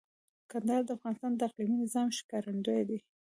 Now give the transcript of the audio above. کندهار د افغانستان د اقلیمي نظام ښکارندوی دی.